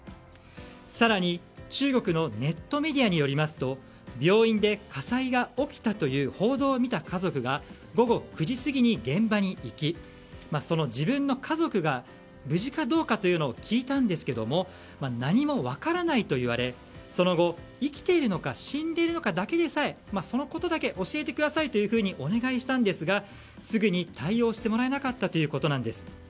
更に、中国のネットメディアによりますと病院で火災が起きたという報道を見た家族が午後９時過ぎに現場に行きその自分の家族が無事かどうかを聞いたんですけれども何も分からないと言われその後、生きているのか死んでいるのかだけでさえそのことだけ教えてくださいとお願いしたんですがすぐに対応してもらえなかったということなんです。